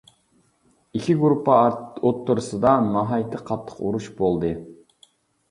ئىككى گۇرۇپپا ئوتتۇرىسىدا ناھايىتى قاتتىق ئۇرۇش بولدى.